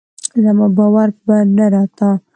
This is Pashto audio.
زما باور به نه راته